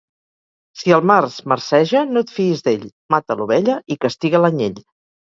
Si el març marceja, no et fiïs d'ell; mata l'ovella i castiga l'anyell.